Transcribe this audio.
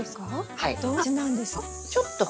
はいそうなんです。